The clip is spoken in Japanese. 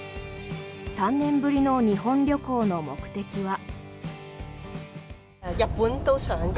３年ぶりの日本旅行の目的は。